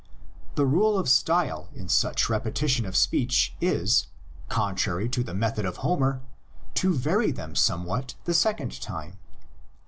The rule of style in such repetition of speech is, contrary to the method of Homer, to vary them somewhat the second time.